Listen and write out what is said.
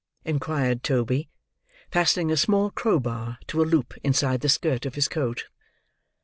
inquired Toby: fastening a small crowbar to a loop inside the skirt of his coat.